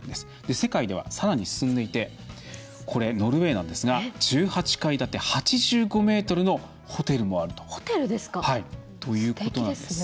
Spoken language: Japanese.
世界では、さらに進んでいてこれ、ノルウェーなんですが１８階建て８５ｍのホテルもあるということなんです。